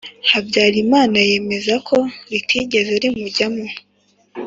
habyarimana yemezako ritigeze rimujyamo.